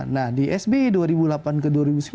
nah di sbi dua ribu delapan ke dua ribu sembilan belas